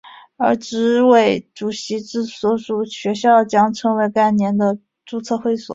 而执委主席之所属学校将成为该年的注册会址。